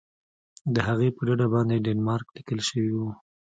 د هغې په ډډه باندې ډنمارک لیکل شوي وو.